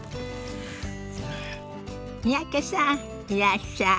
三宅さんいらっしゃい。